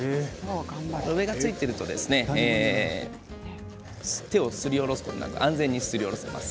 上がついてると手をすりおろすことなく安全にすりおろせます。